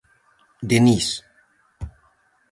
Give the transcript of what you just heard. Denís.